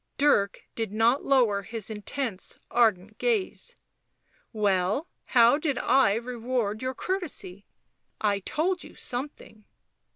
Dirk did not lower his intense, ardent gaze. " Well, how did I reward your courtesy % I told you some thing."